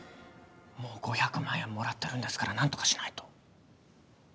もう５００万円はもらってるんですから何とかしないと。